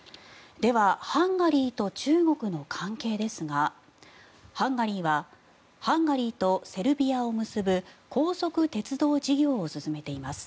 ではハンガリーと中国の関係ですがハンガリーはハンガリーとセルビアを結ぶ高速鉄道事業を進めています。